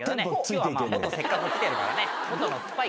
今日はまあモトせっかく来てるからね。